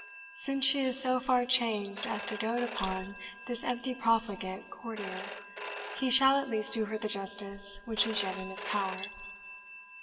Since she is so far changed as to dote upon this empty profligate courtier, he shall at least do her the justice which is yet in his power."